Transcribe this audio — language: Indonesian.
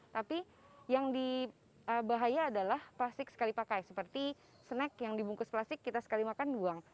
tapi yang dibahaya adalah plastik sekali pakai seperti snack yang dibungkus plastik kita sekali makan buang